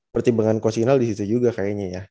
pertimbangan coach inal disitu juga kayaknya ya